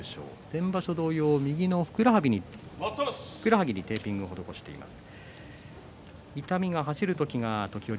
先場所同様、右のふくらはぎにテーピングをしています。